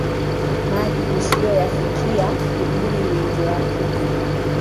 Maji usiyoyafika hujui wingi wake